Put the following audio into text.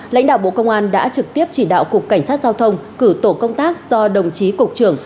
lãnh đạo bộ công an đã trực tiếp chỉ đạo cục cảnh sát giao thông cử tổ công tác do đồng chí cục trưởng